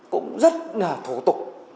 cũng rất là thủ tục